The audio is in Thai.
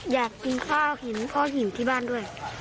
อยากกินข้าวเห็นพ่อหิวที่บ้านด้วย